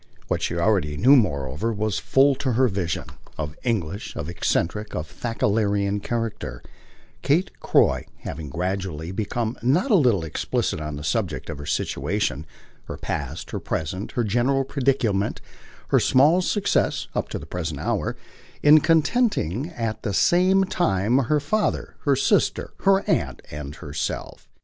What she already knew moreover was full, to her vision, of English, of eccentric, of Thackerayan character Kate Croy having gradually become not a little explicit on the subject of her situation, her past, her present, her general predicament, her small success, up to the present hour, in contenting at the same time her father, her sister, her aunt and herself.